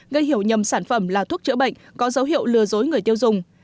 gây hiểu nhầm sản phẩm là thuốc chữa bệnh có dấu hiệu lừa dối người tiêu dùng